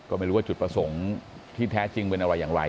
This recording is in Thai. ก็ไม่รู้ว่าจุดประสงค์ที่แท้จริงเป็นอะไรอย่างไร